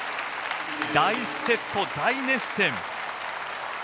第１セット、大熱戦。